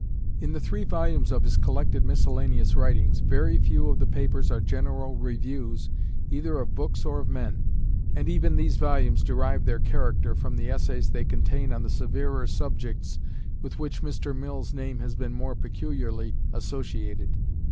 In the three volumes of his collected miscellaneous writings, very few of the papers are general reviews either of books or of men; and even these volumes derive their character from the essays they contain on the severer subjects with which Mr. Mill's name has been more peculiarly associated.